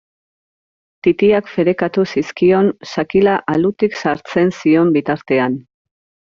Titiak ferekatu zizkion sakila alutik sartzen zion bitartean.